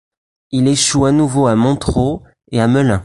Il échoue à nouveau à Montereau et à Melun.